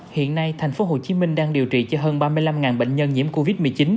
hiện nay tp hcm đang điều trị cho hơn ba mươi năm bệnh nhân nhiễm covid một mươi chín